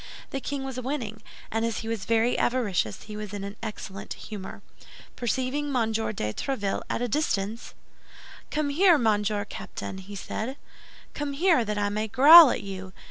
The king was winning; and as he was very avaricious, he was in an excellent humor. Perceiving M. de Tréville at a distance— "Come here, Monsieur Captain," said he, "come here, that I may growl at you.